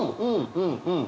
うんうん。